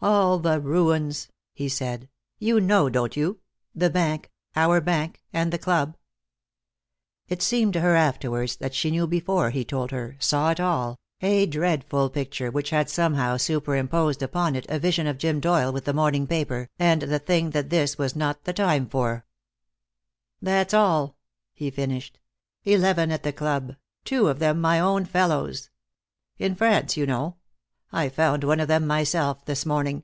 "All the ruins," he said. "You know, don't you? The bank, our bank, and the club?" It seemed to her afterwards that she knew before he told her, saw it all, a dreadful picture which had somehow superimposed upon it a vision of Jim Doyle with the morning paper, and the thing that this was not the time for. "That's all," he finished. "Eleven at the club, two of them my own fellows. In France, you know. I found one of them myself, this morning."